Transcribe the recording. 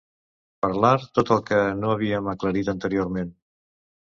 Parlar tot el que no havíem aclarit anteriorment.